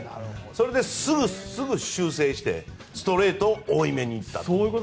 それですぐ修正してストレートを多いめにいったと。